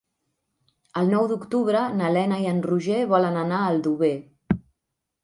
El nou d'octubre na Lena i en Roger volen anar a Aldover.